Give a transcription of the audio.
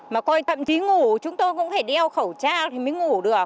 mà coi thậm chí ngủ chúng tôi cũng phải đeo khẩu trang thì mới ngủ được